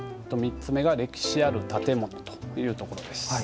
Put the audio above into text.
３つ目が「歴史ある建物」というところです。